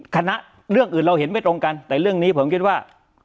เรื่องอื่นเราเห็นไม่ตรงกันแต่เรื่องนี้ผมคิดว่า